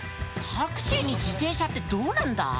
タクシーに自転車ってどうなんだ？